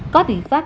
có biện pháp